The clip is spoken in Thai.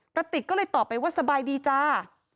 กระติกก็เลยตอบไปว่าสบายดีจ้า